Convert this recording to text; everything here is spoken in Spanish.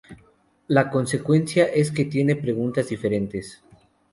La consecuencia es que tiene preguntas diferentes.